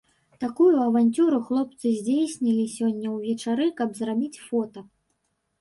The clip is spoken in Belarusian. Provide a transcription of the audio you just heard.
Такую аванцюру хлопцы здзейснілі сёння ўвечары, каб зрабіць фота.